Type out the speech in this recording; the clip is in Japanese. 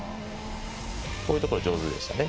こういうところ上手でしたね。